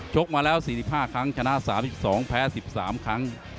กมาแล้ว๔๕ครั้งชนะ๓๒แพ้๑๓ครั้ง